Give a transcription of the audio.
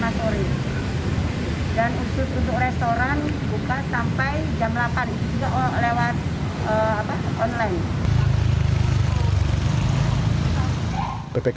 dan usus untuk restoran buka sampai jam delapan itu juga lewat online